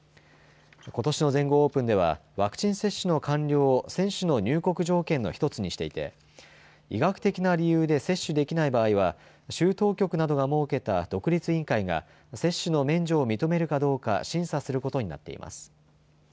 ことしの全豪オープンでは、ワクチン接種の完了を選手の入国条件の１つにしていて医学的な理由で接種できない場合は州当局などが設けた独立委員会が接種の免除を認めるかどうか審査することになっています。